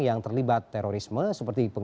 yang terlibat terorisme seperti